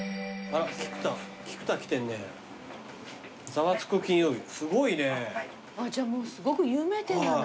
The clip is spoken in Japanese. あぁじゃあもうすごく有名店なんだね。